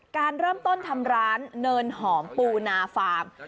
การเริ่มต้นทำร้านเนินหอมปูนาฟาร์ม